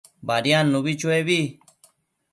Badiadnubi chuebi